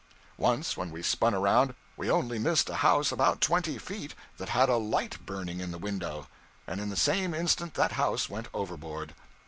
Once, when we spun around, we only missed a house about twenty feet, that had a light burning in the window; and in the same instant that house went overboard.